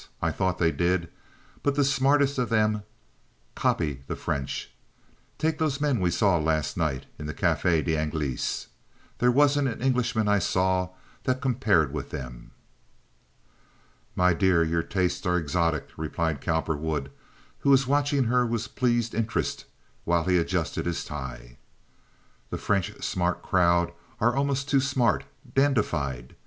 I thought they did, but the smartest of them copy the French. Take those men we saw last night in the Cafe d'Anglais. There wasn't an Englishman I saw that compared with them." "My dear, your tastes are exotic," replied Cowperwood, who was watching her with pleased interest while he adjusted his tie. "The French smart crowd are almost too smart, dandified.